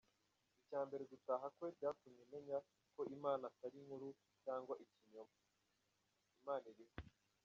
Icya mbere gutaha kwe byatumye menya ko Imana atari inkuru cyangwa ikinyoma, Imana iriho.